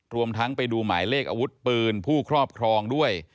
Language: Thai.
รวมทั้งไปดูหมายเลขอาวุธปืนผู้ครอบครองด้วย